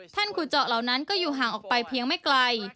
ขุดเจาะเหล่านั้นก็อยู่ห่างออกไปเพียงไม่ไกล